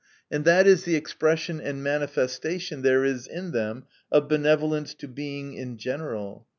And that is the expression and manifestation there is in them of benevolence to Being in general.